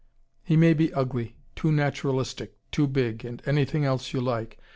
He may be ugly, too naturalistic, too big, and anything else you like.